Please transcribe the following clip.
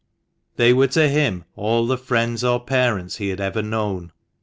They were to him all the friends or parents he had ever known.